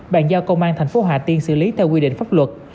bàn giao công an thành phố hà tiên xử lý theo quy định pháp luật